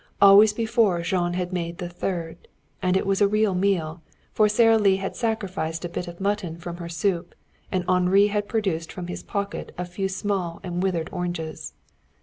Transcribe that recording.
Always before Jean had made the third. And it was a real meal, for Sara Lee had sacrificed a bit of mutton from her soup, and Henri had produced from his pocket a few small and withered oranges.